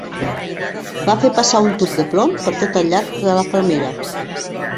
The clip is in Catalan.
Va fer passar un tub de plom per tot el llarg de la flamera